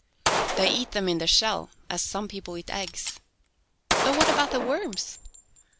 They eat them in the shell as some people eat eggs." "But what about the worms?"